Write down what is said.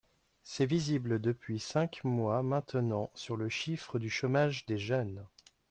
C’est visible depuis cinq mois maintenant sur le chiffre du chômage des jeunes.